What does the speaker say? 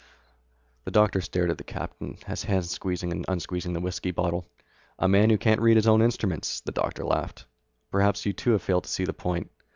The doctor stared at the captain, his hand squeezing and unsqueezing on the whiskey bottle. "A man who can't read his own instruments?" The doctor laughed. "Perhaps you too have failed to see the point?